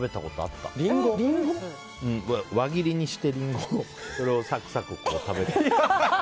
輪切りにしてるリンゴをサクサク食べて。